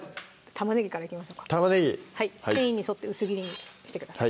玉ねぎからいきましょうか繊維に沿って薄切りにしてください